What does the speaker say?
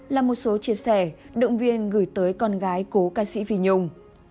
là một số chia sẻ động viên gửi tới con gái cố ca sĩ vy nhung